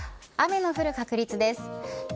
雨の降る確率です。